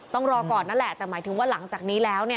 ต้องรอก่อนนั่นแหละแต่หมายถึงว่าหลังจากนี้แล้ว